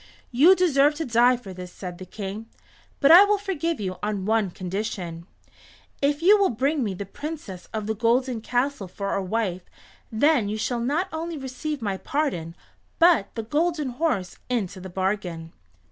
"You deserve to die for this," said the King, "but I will forgive you on one condition. If you will bring me the Princess of the Golden Castle for a wife then you shall not only receive my pardon, but the Golden Horse into the bargain."